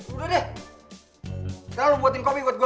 udah deh sekarang lo buatin kopi buat gue